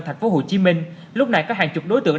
tp hcm lúc này có hàng chục đối tượng